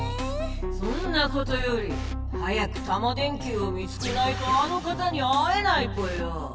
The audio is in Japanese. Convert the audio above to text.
そんなことより早くタマ電Ｑを見つけないとあの方に会えないぽよ！